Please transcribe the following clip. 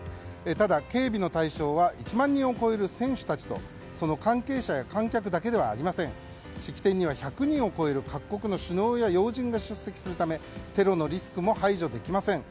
ただ、警備の対象は１万人を超える選手たちとその関係者や観客だけではなく式典には１００人を超える各国の首脳や要人が出席するためテロのリスクも排除できません。